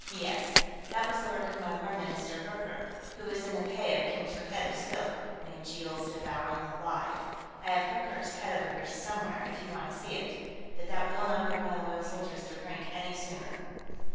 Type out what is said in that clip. "Yes. That was the work of my War Minister, Hurkkurk, who was in the pay of King Firkked of Skilk, may Jeels devour him alive! I have Hurkkurk's head here somewhere, if you want to see it, but that will not bring my loyal soldiers to Krink any sooner."